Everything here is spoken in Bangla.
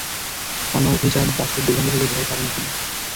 অনভিজাত দাসের দুর্গন্ধ থেকে রেহাই পাবে না তুমি।